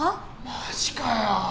マジかよ！